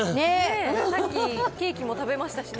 さっきケーキも食べましたしね。